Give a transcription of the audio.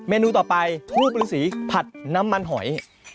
เมนูต่อไปทูบหรือสีผัดน้ำมันหอย